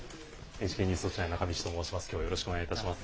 ＮＨＫ、ニュースウオッチ９の中道と申します。